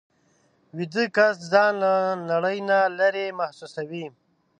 ویده کس ځان له نړۍ نه لېرې محسوسوي